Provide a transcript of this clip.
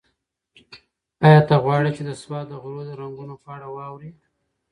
ایا ته غواړې چې د سوات د غرو د رنګونو په اړه واورې؟